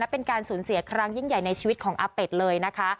เป็นการสูญเสียครั้งยิ่งใหญ่ในชีวิตของอาเป็ดเลยนะคะ